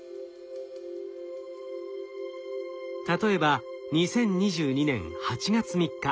例えば２０２２年８月３日。